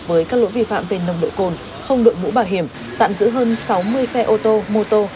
với các lỗi vi phạm về nông đội côn không đội mũ bảo hiểm tạm giữ hơn sáu mươi xe ô tô mô tô